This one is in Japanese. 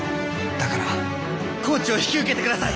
だからコーチを引き受けてください！